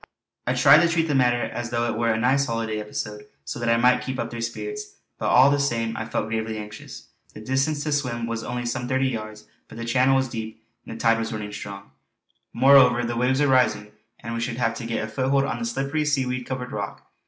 I tried to treat the matter as though it were a nice holiday episode so that I might keep up their spirits; but all the same I felt gravely anxious. The distance to swim was only some thirty yards, but the channel was deep, and the tide running strong. Moreover the waves were rising, and we should have to get a foothold on the slippery seaweed covered rock.